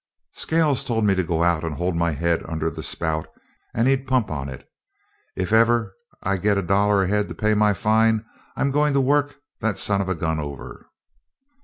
"Scales told me to go out and hold my head under the spout and he'd pump on it. If ever I get a dollar ahead to pay my fine, I'm going to work that son of a gun over."